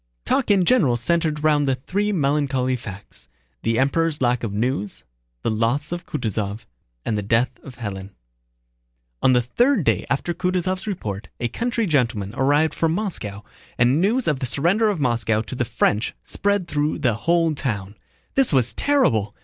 Talk in general centered round three melancholy facts: the Emperor's lack of news, the loss of Kutáysov, and the death of Hélène. On the third day after Kutúzov's report a country gentleman arrived from Moscow, and news of the surrender of Moscow to the French spread through the whole town. This was terrible!